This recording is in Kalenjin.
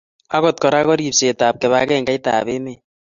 Akot kora, ko ripset ab kibangengeit ab emet